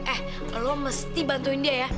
eh lo mesti bantuin dia ya